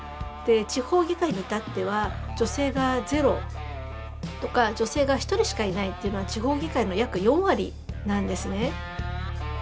地方議会に至っては女性が０とか女性が１人しかいないっていうのは地方議会の約４割なんですね。